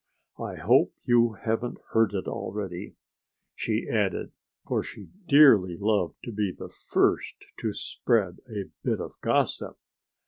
I hope you haven't heard it already," she added, for she dearly loved to be the first to spread a bit of gossip.